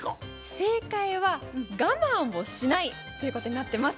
正解は我慢をしないということになってます。